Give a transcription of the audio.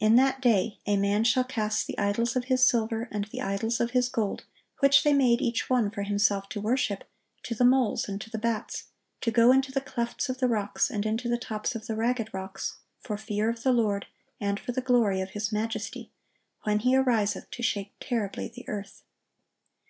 "In that day a man shall cast the idols of his silver, and the idols of his gold, which they made each one for himself to worship, to the moles and to the bats; to go into the clefts of the rocks, and into the tops of the ragged rocks, for fear of the Lord, and for the glory of His majesty, when He ariseth to shake terribly the earth."